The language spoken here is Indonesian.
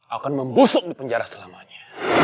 akan membusuk di penjara selamanya